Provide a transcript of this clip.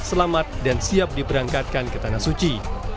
selamat dan siap diberangkatkan ke tanah suci